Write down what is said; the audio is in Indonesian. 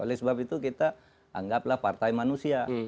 oleh sebab itu kita anggaplah partai manusia